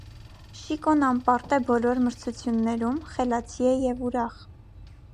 Շիկոն անպարտ է բոլոր մրցություններում, խելացի է և ուրախ։